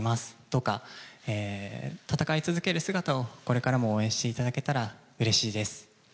どうか戦い続ける姿を、これからも応援していただけたらうれしいです。